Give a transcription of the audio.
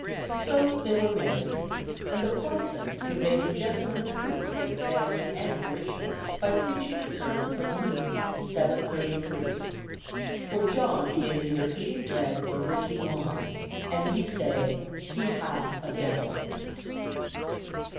So they were married, and the parson conveyed a gentle reproof to his family and parishioners by preaching a sermon from Luke vii:33: "For John came neither eating bread nor drinking wine, and ye say, 'He hath a devil.'"